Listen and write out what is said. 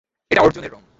এটি অর্জনের রঙ।